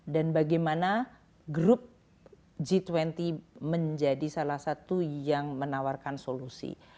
dan bagaimana grup g dua puluh menjadi salah satu yang menawarkan solusi